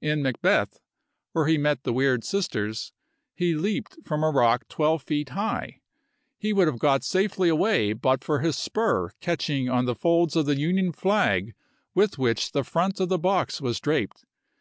In "Macbeth," where he met the weird sisters, he leaped from a rock twelve feet high. He would have got safely away but for his spur catching in the folds of the Union flag with which the front of the box was draped.